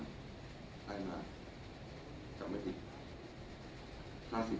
ได้มากลับมาดี